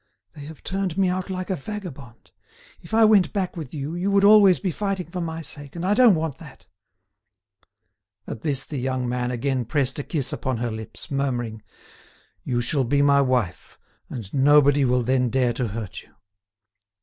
They have turned me out like a vagabond. If I went back with you, you would always be fighting for my sake, and I don't want that." At this the young man again pressed a kiss upon her lips, murmuring: "You shall be my wife, and nobody will then dare to hurt you."